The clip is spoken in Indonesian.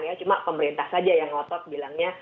ya cuma pemerintah saja yang ngotot bilangnya